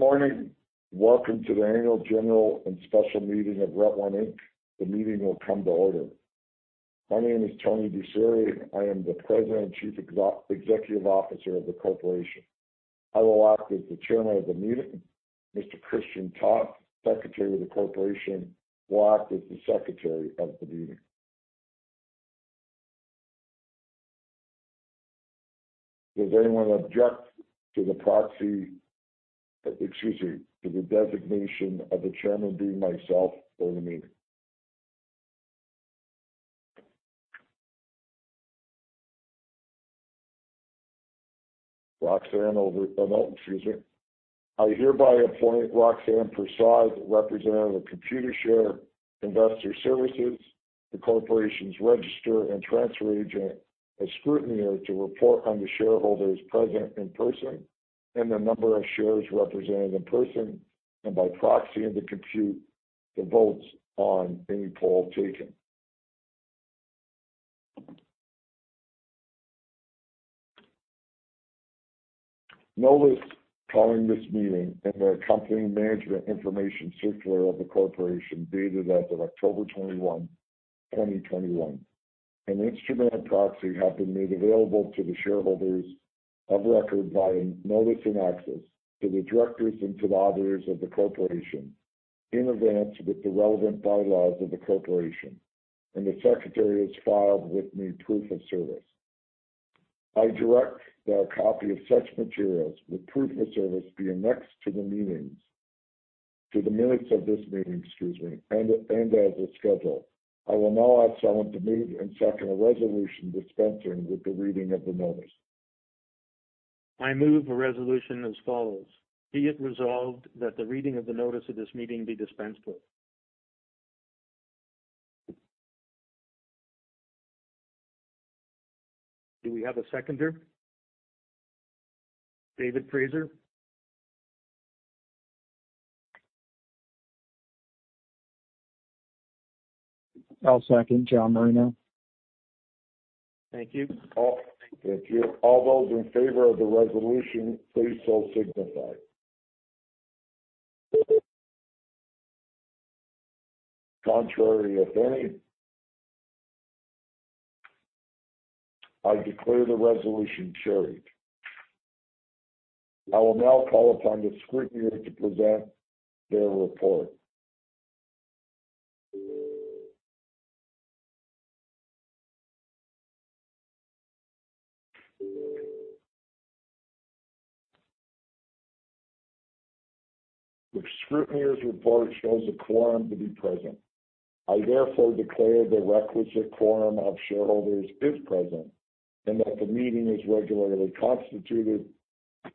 Good morning. Welcome to the Annual General and Special Meeting of Route1 Inc. The meeting will come to order. My name is Tony Busseri. I am the President and Chief Executive Officer of the corporation. I will act as the Chairman of the meeting. Mr. Krisztian Toth, Secretary of the corporation, will act as the Secretary of the meeting. Does anyone object to the designation of the chairman being myself for the meeting? Roxanne over at David Fraser. I hereby appoint Roxanne Parsaud, representative of Computershare Investor Services, the corporation's registrar and transfer agent, as scrutineer to report on the shareholders present in person, and the number of shares represented in person, and by proxy, and to compute the votes on any poll taken. The Notice calling this meeting and the accompanying management information circular of the corporation dated as of October 21, 2021. An instrument of proxy has been made available to the shareholders of record by notice and access to the directors and to others of the corporation in advance with the relevant bylaws of the corporation, and the secretary has filed with me proof of service. I direct that a copy of such materials, with proof of service be annexed to the minutes of this meeting and as a schedule. I will now ask someone to move and second a resolution dispensing with the reading of the notice. I move a resolution as follows. Be it resolved that the reading of the notice of this meeting be dispensed with. Do we have a seconder? David Fraser. I'll second. John Marino. Thank you. Thank you. All those in favor of the resolution, please so signify. Contrary, if any. I declare the resolution carried. I will now call upon the scrutineer to present their report. The scrutineer's report shows a quorum to be present. I therefore declare the requisite quorum of shareholders is present, and that the meeting is regularly constituted.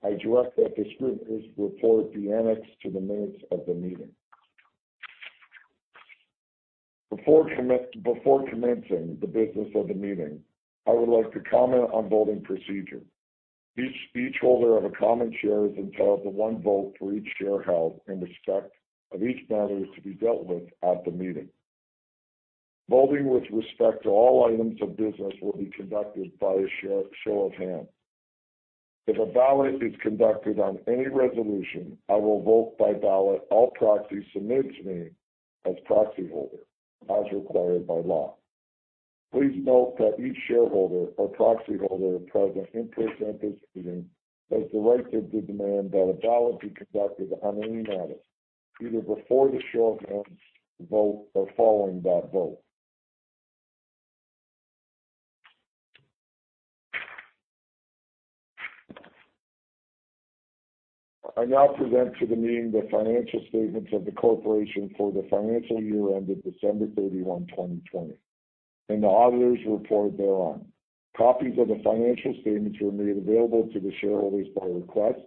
I direct that the scrutineer's report be annexed to the minutes of the meeting. Before commencing the business of the meeting, I would like to comment on voting procedure. Each holder of a common share is entitled to one vote for each share held in respect of each matter to be dealt with at the meeting. Voting with respect to all items of business will be conducted by a show of hands. If a ballot is conducted on any resolution, I will vote by ballot all proxies submitted to me as proxy holder, as required by law. Please note that each shareholder or proxy holder present in person at this meeting has the right to demand that a ballot be conducted on any matter, either before the show of hands vote or following that vote. I now present to the meeting the financial statements of the corporation for the financial year ended December 31, 2020, and the auditor's report thereon. Copies of the financial statements were made available to the shareholders by request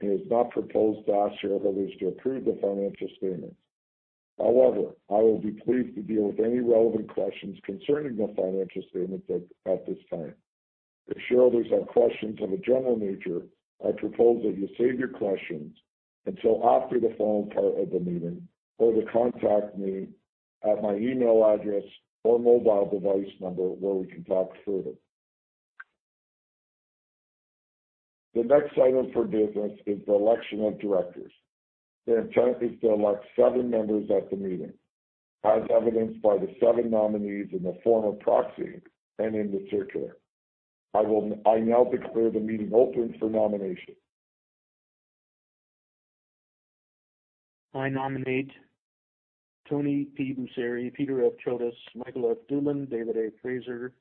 and it's not proposed to ask shareholders to approve the financial statements. However, I will be pleased to deal with any relevant questions concerning the financial statements at this time. If shareholders have questions of a general nature, I propose that you save your questions until after the formal part of the meeting or to contact me at my email address or mobile device number where we can talk further. The next item for business is the election of directors. The intent is to elect seven members at the meeting, as evidenced by the seven nominees in the form of proxy and in the circular. I now declare the meeting open for nominations. I nominate Tony P. Busseri, Peter F. Chodos, Michael F. Doolan, David A. Fraser,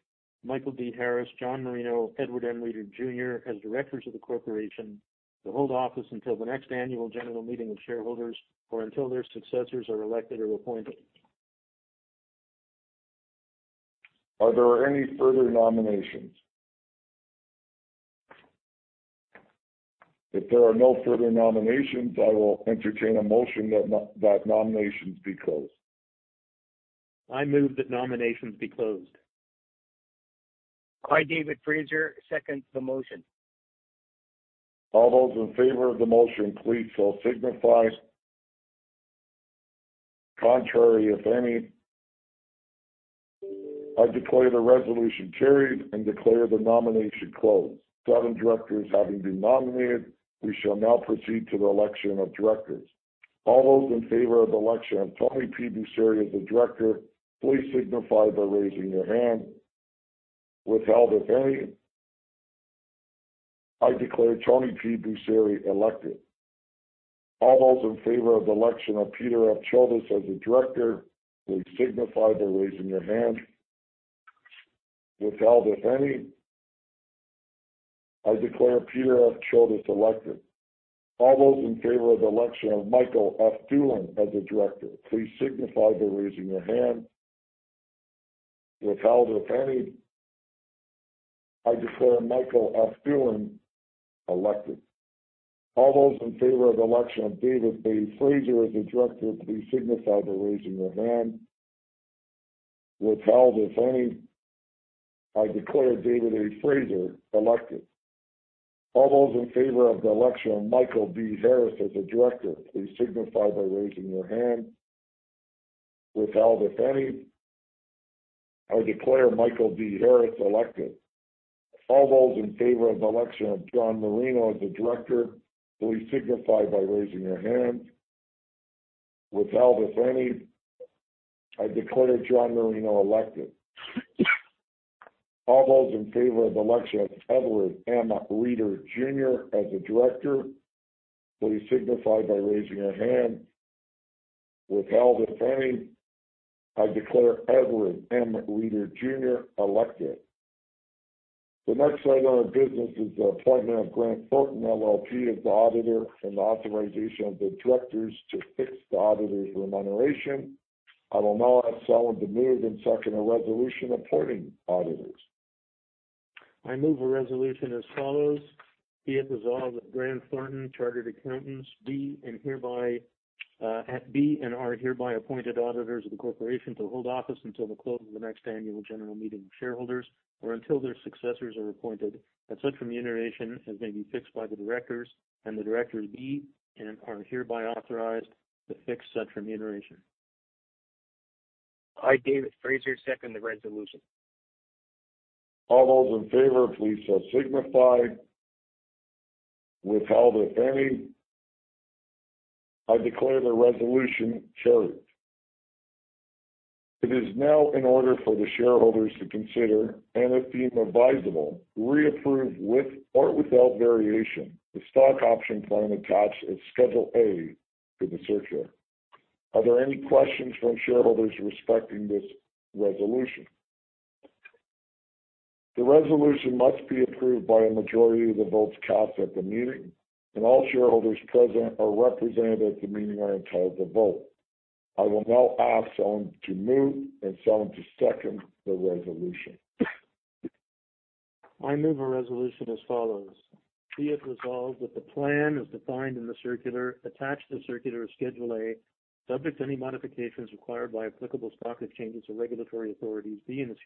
Michael D. Harris, John Marino, Edward M. Reeder Jr., as directors of the corporation to hold office until the next annual general meeting of shareholders, or until their successors are elected or appointed. Are there any further nominations? If there are no further nominations, I will entertain a motion that nominations be closed. I move that nominations be closed. I, David Fraser, second the motion. All those in favor of the motion, please so signify. Contrary, if any? I declare the resolution carried and declare the nomination closed. Seven directors having been nominated, we shall now proceed to the election of directors. All those in favor of the election of Tony P. Busseri as a director, please signify by raising your hand. Withheld, if any. I declare Tony P. Busseri elected. All those in favor of the election of Peter F. Chodos as a director, please signify by raising your hand. Withheld, if any. I declare Peter F. Chodos elected. All those in favor of the election of Michael F. Doolan as a director, please signify by raising your hand. Withheld, if any. I declare Michael F. Doolan elected. All those in favor of the election of David A. Fraser as a director, please signify by raising your hand. Withheld, if any. I declare David A. Fraser elected. All those in favor of the election of Michael D. Harris as a director, please signify by raising your hand. Withheld, if any. I declare Michael D. Harris elected. All those in favor of the election of John Marino as a director, please signify by raising your hand. Withheld, if any. I declare John Marino elected. All those in favor of the election of Edward M. Reeder Jr. as a director, please signify by raising your hand. Withheld, if any. I declare Edward M. Reeder Jr. elected. The next item of business is the appointment of Grant Thornton LLP as the auditor and the authorization of the directors to fix the auditor's remuneration. I will now ask someone to move and second a resolution appointing auditors. I move a resolution as follows, be it resolved that Grant Thornton Chartered Accountants be and are hereby appointed auditors of the corporation to hold office until the close of the next annual general meeting of shareholders or until their successors are appointed at such remuneration as may be fixed by the directors and the directors be and are hereby authorized to fix such remuneration. I, David Fraser, second the resolution. All those in favor, please so signify. Withheld, if any. I declare the resolution [carried]. It is now in order for the shareholders to consider, and if deemed advisable, reapprove with or without variation, the stock option plan attached at Schedule A to the circular. Are there any questions from shareholders respecting this resolution? The resolution must be approved by a majority of the votes cast at the meeting, and all shareholders present or represented at the meeting are entitled to vote. I will now ask someone to move and someone to second the resolution. I move a resolution as follows. Be it resolved that the plan as defined in the circular attached to the circular at Schedule A, subject to any modifications required by applicable stock exchanges or regulatory authorities, be and is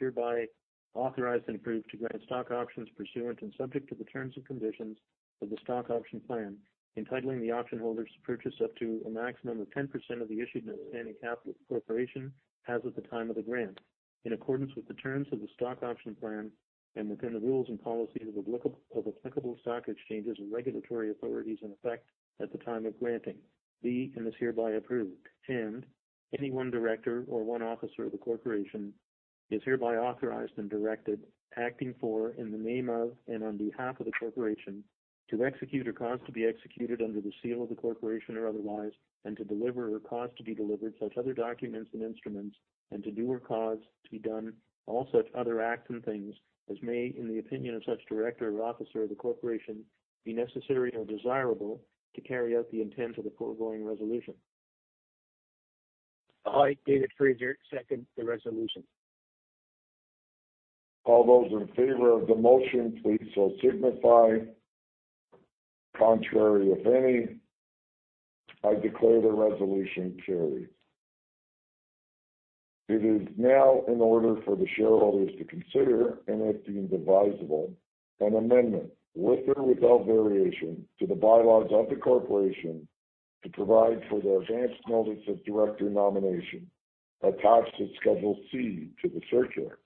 hereby authorized and approved to grant stock options pursuant and subject to the terms and conditions of the stock option plan, entitling the option holders to purchase up to a maximum of 10% of the issued and outstanding capital of the corporation as of the time of the grant. In accordance with the terms of the stock option plan and within the rules and policies of applicable stock exchanges and regulatory authorities in effect at the time of granting, be and is hereby approved. Any one director or one officer of the corporation is hereby authorized and directed, acting for, in the name of, and on behalf of the corporation, to execute or cause to be executed under the seal of the corporation or otherwise, and to deliver or cause to be delivered such other documents and instruments, and to do or cause to be done all such other acts and things as may, in the opinion of such director or officer of the corporation, be necessary or desirable to carry out the intent of the foregoing resolution. I, David Fraser, second the resolution. All those in favor of the motion, please so signify. Contrary, if any. I declare the resolution carried. It is now in order for the shareholders to consider, and if deemed advisable, an amendment, with or without variation, to the bylaws of the corporation to provide for the advance notice of director nomination attached at Schedule C to the circular.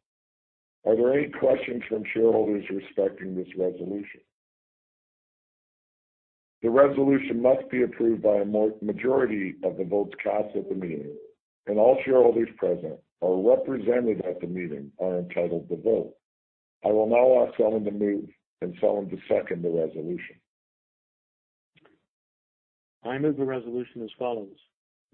Are there any questions from shareholders respecting this resolution? The resolution must be approved by a majority of the votes cast at the meeting, and all shareholders present or represented at the meeting are entitled to vote. I will now ask someone to move and someone to second the resolution. I move the resolution as follows.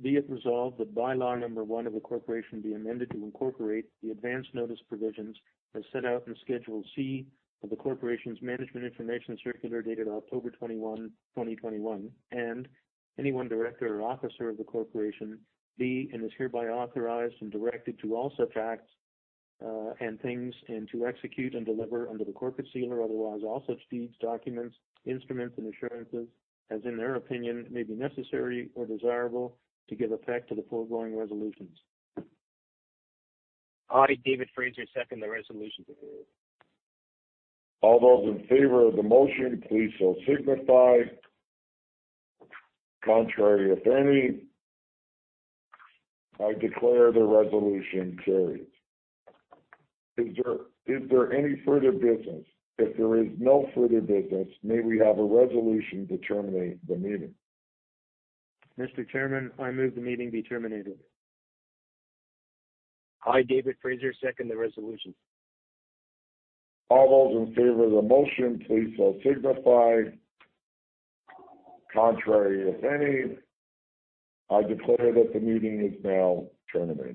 Be it resolved that bylaw number one of the corporation be amended to incorporate the advance notice provisions as set out in Schedule C of the corporation's management information circular dated October 21, 2021, and any one director or officer of the corporation be and is hereby authorized and directed to do all such acts and things, and to execute and deliver under the corporate seal or otherwise all such deeds, documents, instruments, and assurances as in their opinion may be necessary or desirable to give effect to the foregoing resolutions. I, David Fraser, second the resolution. All those in favor of the motion, please so signify. Contrary, if any. I declare the resolution carried. Is there any further business? If there is no further business, may we have a resolution to terminate the meeting? Mr. Chairman, I move the meeting be terminated. I, David Fraser, second the resolution. All those in favor of the motion, please so signify. Contrary, if any. I declare that the meeting is now terminated.